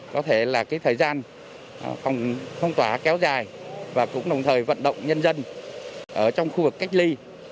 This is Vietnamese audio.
có thể là thời gian phong tỏa kéo dài và cũng đồng thời vận động nhân dân ở trong khu vực cách ly